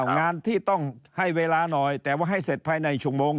งานที่ต้องให้เวลาหน่อยแต่ว่าให้เสร็จภายในชั่วโมง